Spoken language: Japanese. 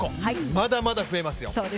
まだまだ増えますよ。